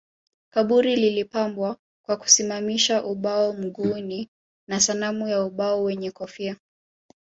Kaburi lilipambwa kwa kusimamisha ubao mguuni na sanamu ya ubao wenye kofia